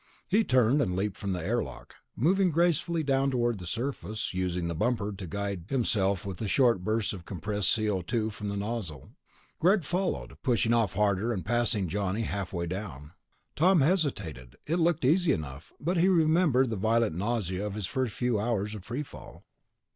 He turned and leaped from the airlock, moving gracefully down toward the surface, using the bumper unit to guide himself with short bursts of compressed CO_, from the nozzle. Greg followed, pushing off harder and passing Johnny halfway down. Tom hesitated. It looked easy enough ... but he remembered the violent nausea of his first few hours of free fall.